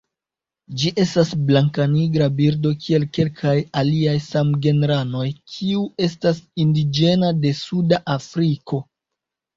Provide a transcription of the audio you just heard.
Ĝi estas blankanigra birdo kiel kelkaj aliaj samgenranoj kiu estas indiĝena de Suda Afriko.